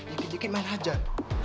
dikit dikit main hajar